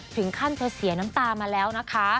ถึงขั้นเธอเสียน้ำตามาแล้วนะคะ